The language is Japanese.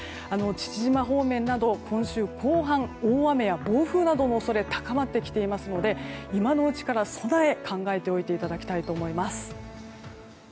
父島方面など今週後半、暴風、大雨の恐れが高まってきていますので今のうちから備えを考えておいていただきたいと思います。